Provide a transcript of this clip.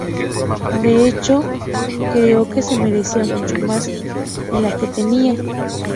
De hecho, creo que se merecía mucho más de la que tenía".